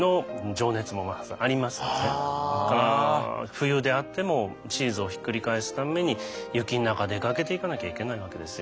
冬であってもチーズをひっくり返すために雪の中出かけていかなきゃいけないわけですよね。